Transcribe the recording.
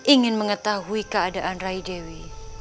ingin mengetahui keadaan rai dewi